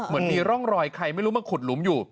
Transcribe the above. เหมือนมีร่องรอยใครไม่รู้มาขุดหลุมอยู่